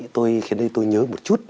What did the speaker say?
tôi khiến đây tôi nhớ một chút